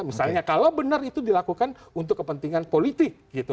misalnya kalau benar itu dilakukan untuk kepentingan politik